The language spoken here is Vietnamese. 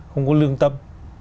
không có lương tâm